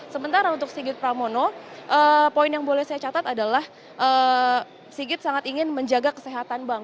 sementara untuk sigit pramono poin yang boleh saya catat adalah sigit sangat ingin menjaga kesehatan bank